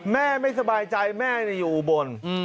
แม่ไม่สบายใจแม่อยู่บน